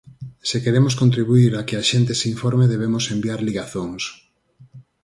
Se queremos contribuír a que a xente se informe debemos enviar ligazóns.